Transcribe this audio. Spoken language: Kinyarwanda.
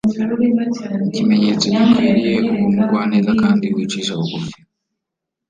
,_ ikimenyetso gikwiriye uwo mugwaneza kandi wicisha bugufi.